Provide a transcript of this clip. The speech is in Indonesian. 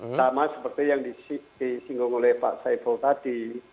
sama seperti yang disinggung oleh pak saiful tadi